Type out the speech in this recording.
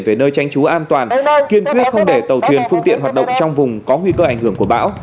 về nơi tránh trú an toàn kiên quyết không để tàu thuyền phương tiện hoạt động trong vùng có nguy cơ ảnh hưởng của bão